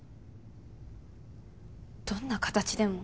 どんな形でも？